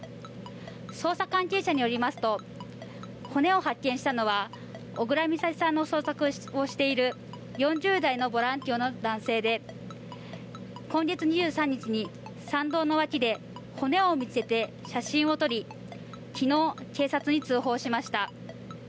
捜査関係者によりますと、骨を発見したのは小倉美咲さんの捜索をしている４０代のボランティアの男性で今月２３日に山道の脇で骨を見つけて写真を撮り昨日、警察に通報しました。